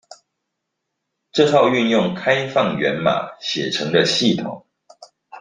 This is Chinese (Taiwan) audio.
這套運用開放源碼寫成的系統